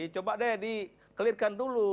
coba deh di clearkan dulu